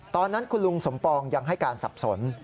ตอนนั้นคุณลุงสมปองยังให้การสับสน